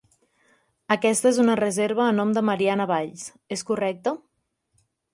Aquesta és una reserva a nom de Mariana Valls, és correcte?